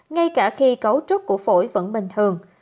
ngay cả khi cấu trúc của phổi vẫn bình thường